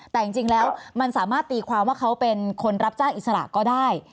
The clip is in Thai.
แต่จริงแล้วมันสามารถตีความว่าเขาเป็นคนรับจ้างอิสระก็ได้